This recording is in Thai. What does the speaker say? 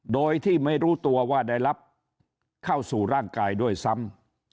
โดยที่ไม่รู้ตัวว่าได้รับเข้าสู่ร่างกายด้วยซ้ำ